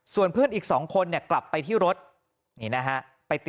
ส่วนเพื่อนอีก๒คนเนี่ยกลับไปที่รถ